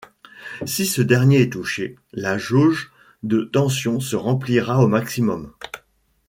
Si ce dernier est touché, la jauge de tension se remplira au maximum.